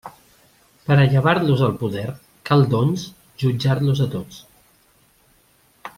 Per a llevar-los el poder, cal, doncs, jutjar-los a tots.